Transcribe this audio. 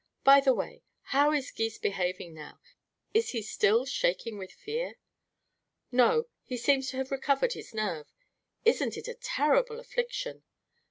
By the way, how is Gys behaving now? Is he still shaking with fear?" "No, he seems to have recovered his nerve. Isn't it a terrible affliction?"